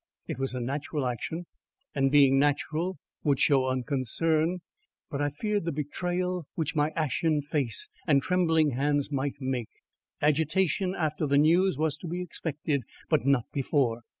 It was a natural action, and, being natural, would show unconcern. But I feared the betrayal which my ashy face and trembling hands might make. Agitation after the news was to be expected, but not before!